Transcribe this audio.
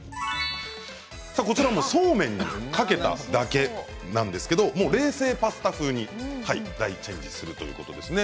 そうめんにかけただけなんですけれど冷製パスタ風に大チェンジするということですね。